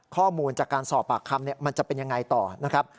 ข้อมูลจากการสอบปากคำมันจะเป็นยังไงต่อนะครับ